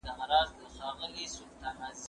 زه به پوښتنه کړې وي؟